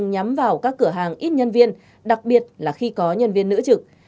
nhắm vào các cửa hàng ít nhân viên đặc biệt là khi có nhân viên nữ trực